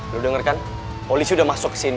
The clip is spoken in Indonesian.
lo denger kan polisi udah masuk kesini